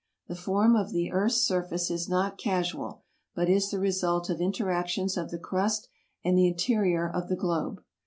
The form of the earth's surface is not casual, but is the result of interactions of the crust and the interior of the globe.